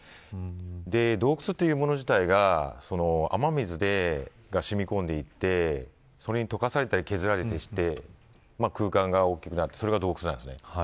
洞窟というもの自体が雨水が染み込んでいてそれに溶かされたり削られたりして空間が大きくなるのが洞窟です。